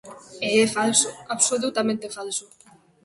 E é falso, absolutamente falso.